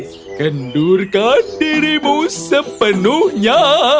kau akan menjaga dirimu sepenuhnya